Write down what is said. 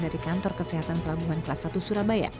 dari kantor kesehatan pelabuhan kelas satu surabaya